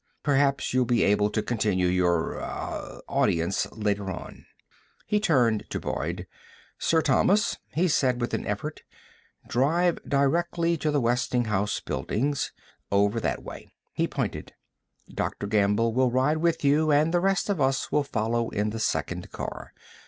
Perhaps you'll be able to continue your ... ah ... audience later." He turned to Boyd. "Sir Thomas," he said with an effort, "drive directly to the Westinghouse buildings. Over that way." He pointed. "Dr. Gamble will ride with you, and the rest of us will follow in the second car.